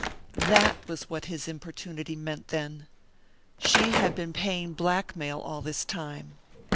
"_ That was what his importunity meant, then! She had been paying blackmail all this time....